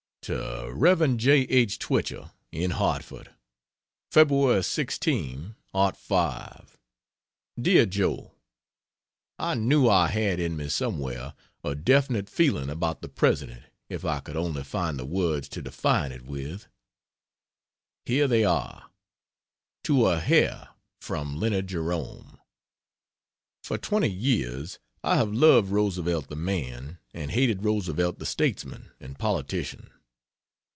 To Rev. J. H. Twichell, in Hartford: Feb. 16, '05. DEAR JOE, I knew I had in me somewhere a definite feeling about the President if I could only find the words to define it with. Here they are, to a hair from Leonard Jerome: "For twenty years I have loved Roosevelt the man and hated Roosevelt the statesman and politician."